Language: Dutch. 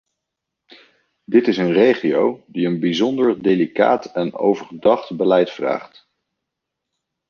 Dit is een regio die een bijzonder delicaat en overdacht beleid vraagt.